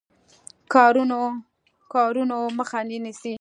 کارونو مخه نیسي.